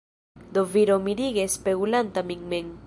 Do viro mirige spegulanta min mem.